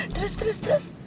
terus terus terus